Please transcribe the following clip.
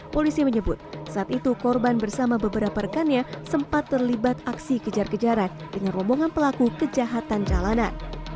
polisi menyebut saat itu korban bersama beberapa rekannya sempat terlibat aksi kejar kejaran dengan rombongan pelaku kejahatan jalanan